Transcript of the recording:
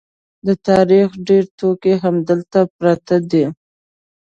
د تاریخ ډېر توکي همدلته پراته دي.